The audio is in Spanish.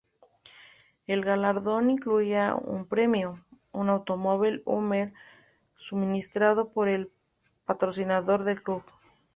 El galardón incluía un premio, un automóvil Hummer suministrado por el patrocinador del club.